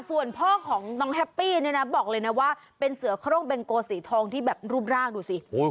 ส่วนพ่อของน้องแฮปปี้เนี่ยนะบอกเลยนะว่าเป็นเสือโครงเบงโกสีทองที่แบบรูปร่างดูสิ